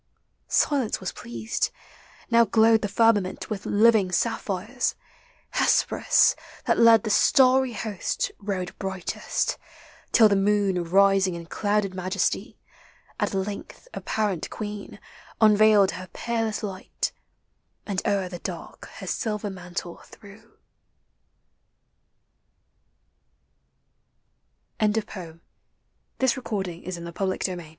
Silence was pleased: now glowed the firmament With living sapphires; Hesperus, that led LIGHT: DAY: NIGHT. 57 The starry host, rode brightest, till the moon Rising in clouded majesty, at length Apparent queen, unveiled her peerless light, And o'er the dark her silver mantle threw. .MI I .TON". EVENING. FROM "DON JUAN."